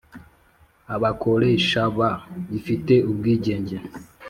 Abakoreshaba ifite ubwigenge